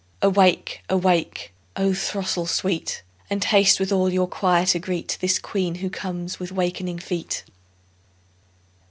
Awake! awake, O throstle sweet! And haste with all your choir to greet This Queen who comes with wakening feet.